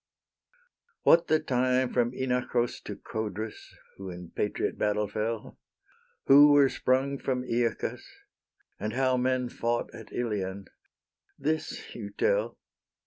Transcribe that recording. What the time from Inachus To Codrus, who in patriot battle fell, Who were sprung from Aeacus, And how men fought at Ilion, this you tell.